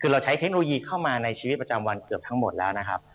คือเราใช้เทคโนโลยีเข้ามาในชีวิตประจำวันเกือบทั้งหมดแล้วนะครับ